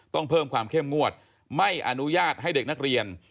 ต้องเพิ่มความเข้มงวดไม่อนุญาตให้เด็กนักเรียน